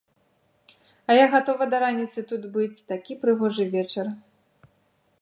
А я гатова да раніцы тут быць, такі прыгожы вечар.